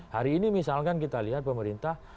hari ini misalkan kita lihat pemerintah